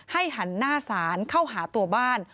หันหน้าศาลเข้าหาตัวบ้าน